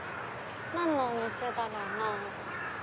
何のお店だろうな。